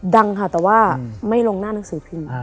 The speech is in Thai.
ดังค่ะแต่ว่าไม่ลงหน้าหนังสือพิมพ์